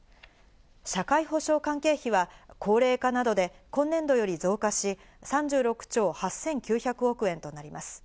社会保障関係費は高齢化などで今年度より増加し、３６兆８９００億円となります。